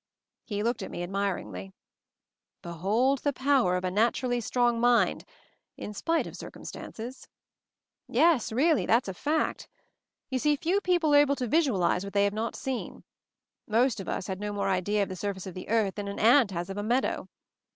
He looked at me admiringly. "Behold the power of a naturally strong mind — in spite of circumstances! Yes, really that's a fact. You see few people are able to visualize what they have not seen. Most of us had no more idea of the surface of the earth than an ant has of a meadow.